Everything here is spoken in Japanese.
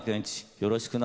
よろしくな。